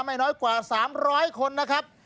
ไม่น้อยกว่า๓๐๐คนนะครับ